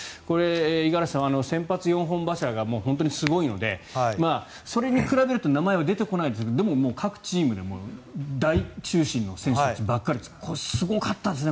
五十嵐さん、先発４本柱が本当にすごいのでそれに比べると名前は出てこないですが各チームで大中心の選手たちばかりですからこれ、すごかったですね。